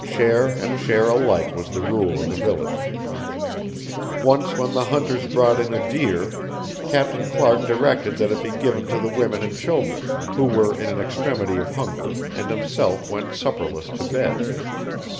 Share and share alike was the rule in the village. Once when the hunters brought in a deer, Captain Clark directed that it be given to the women and children, who were in an extremity of hunger, and himself went supperless to bed.